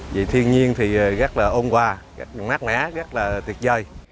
vì thiên nhiên thì rất là ôn qua rất là nát ná rất là tuyệt vời